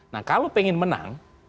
nah kalau pengen menang